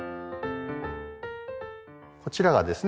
こちらがですね